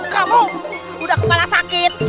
kamu sudah kepala sakit